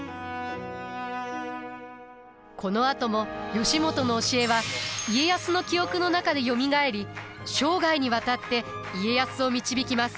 このあとも義元の教えは家康の記憶の中でよみがえり生涯にわたって家康を導きます。